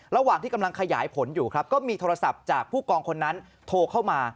ระหว่างที่กำลังขยายผลอยู่ครับก็มีโทรศัพท์จากผู้กองคนนั้นโทรเข้ามา